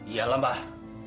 iya lah mbah